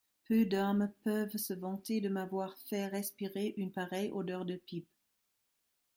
Peu d'hommes peuvent se vanter de m'avoir fait respirer une pareille odeur de pipe.